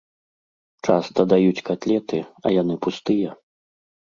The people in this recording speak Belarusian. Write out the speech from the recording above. Часта даюць катлеты, а яны пустыя.